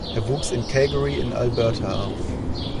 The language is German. Er wuchs in Calgary in Alberta auf.